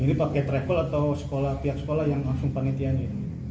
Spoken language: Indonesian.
ini pakai travel atau pihak sekolah yang langsung panitian ya